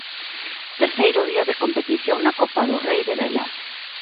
Terceiro día de competición na Copa do Rei de Vela.